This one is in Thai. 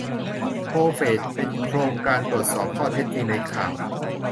โคแฟค เป็นโครงการตรวจสอบข้อเท็จจริงในข่าว